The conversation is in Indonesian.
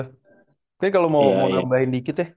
kayaknya kalau mau ngambahin dikit ya